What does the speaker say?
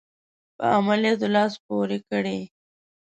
په عملیاتو لاس پوري کړي.